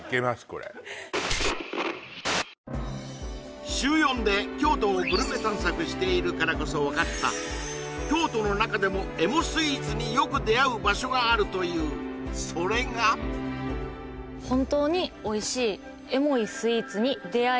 これ週４で京都をグルメ探索しているからこそ分かった京都の中でもエモスイーツによく出会う場所があるというそれがそうです